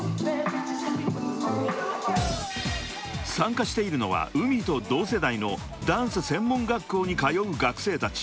［参加しているのはＵＭＩと同世代のダンス専門学校に通う学生たち］